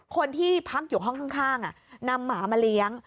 คนที่พักอยู่ห้องข้างนำหมามาเลี้ยง